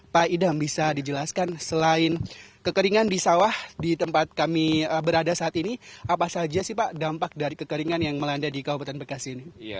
pak idam bisa dijelaskan selain kekeringan di sawah di tempat kami berada saat ini apa saja sih pak dampak dari kekeringan yang melanda di kabupaten bekasi ini